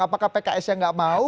apakah pks yang enggak mau